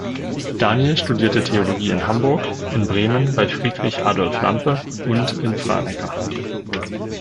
Daniel studierte Theologie in Hamburg, in Bremen bei Friedrich Adolf Lampe und in Franeker.